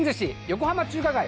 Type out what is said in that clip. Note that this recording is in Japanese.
横浜中華街！